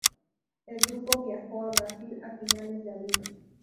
El grupo viajó a Brasil a finales de abril.